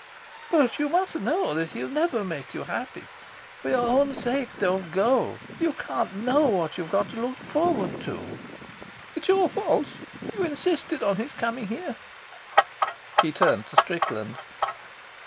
"But you must know that he'll never make you happy. For your own sake don't go. You don't know what you've got to look forward to." "It's your fault. You insisted on his coming here." He turned to Strickland.